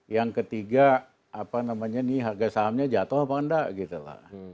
yang ketiga apa namanya nih harga sahamnya jatuh apa enggak gitu lah